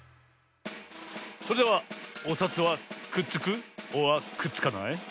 それではおさつはくっつくｏｒくっつかない？